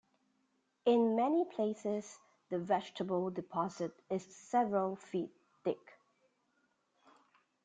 In many places the vegetable deposit is several feet thick.